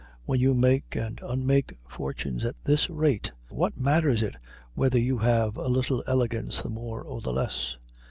When you make and unmake fortunes at this rate, what matters it whether you have a little elegance the more or the less?